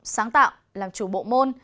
sáng tạo làm chủ bộ môn